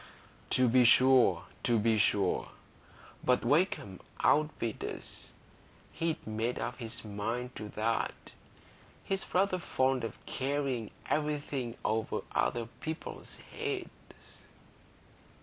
"To be sure, to be sure. But Wakem outbid us; he'd made up his mind to that. He's rather fond of carrying everything over other people's heads."